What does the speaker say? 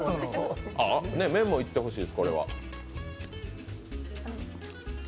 麺もいってほしいです、これは。